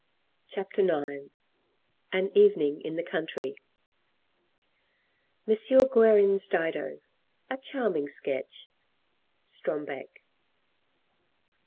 CHAPTER IX AN EVENING IN THE COUNTRY M. Guerin's Dido, a charming sketch ! —Strombeck.